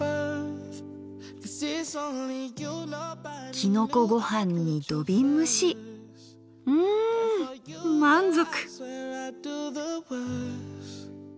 きのこごはんに土瓶蒸しうん満足。